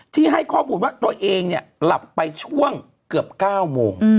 ที่ให้ข้อบูรณ์ว่าตัวเองเนี่ยหลับไปช่วงเกือบ๙โมง